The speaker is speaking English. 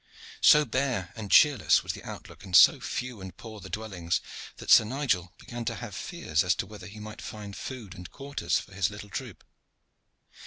So bare and cheerless was the outlook, and so few and poor the dwellings, that Sir Nigel began to have fears as to whether he might find food and quarters for his little troop.